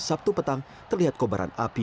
sabtu petang terlihat kobaran api